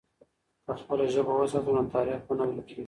که خپله ژبه وساتو، نو تاریخ به نه ورکېږي.